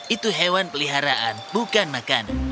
itu hewan peliharaan bukan makan